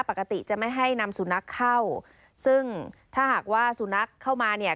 ปกติจะไม่ให้นำสุนัขเข้าซึ่งถ้าหากว่าสุนัขเข้ามาเนี่ย